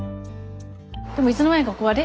でもいつの間にかあれ？